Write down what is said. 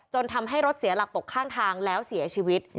ทำให้รถเสียหลักตกข้างทางแล้วเสียชีวิต